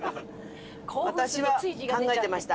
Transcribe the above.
私は考えてました。